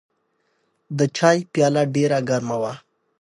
د چای پیاله ډېره ګرمه وه.